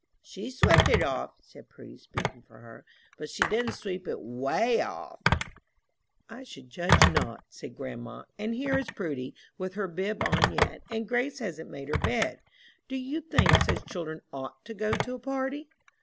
"She's swept it off," said Prudy, speaking for her, "but she didn't sweep it way off!" "I should judge not," said grandma; "and here is Prudy, with her bib on yet, and Grace hasn't made her bed. Do you think such children ought to go to a party?"